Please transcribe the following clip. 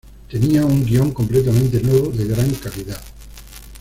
Tenía un guion completamente nuevo, de gran calidad.